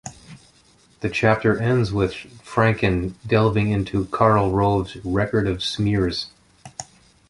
The chapter ends with Franken delving into Karl Rove's record of smears.